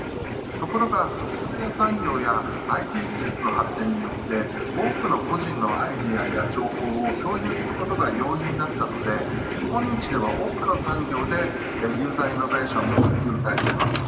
ところがソフトウエア産業やＩＴ技術の発展により多くの個人のアイデアや情報を共有することが容易になったのでこんにちでは多くの産業でユーザーイノベーションが活用されています。